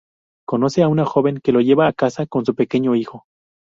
Conoce a una joven que lo lleva a casa con su pequeño hijo.